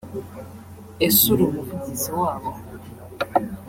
Ese uri umuvugizi wabo